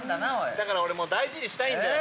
だから俺大事にしたいんだよ。